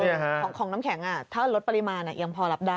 ของน้ำแข็งถ้าลดปริมาณยังพอรับได้